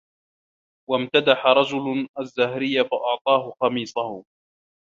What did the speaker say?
وَامْتَدَحَ رَجُلٌ الزُّهْرِيَّ فَأَعْطَاهُ قَمِيصَهُ